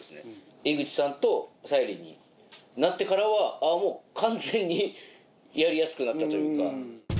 江口さんと沙莉になってからはもう完全にやりやすくなったというか。